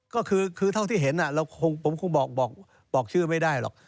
ก็คือเท่าที่เห็นผมคงบอกชื่อไม่ได้หรอก